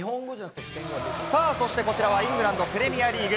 そしてこちらはイングランド・プレミアリーグ。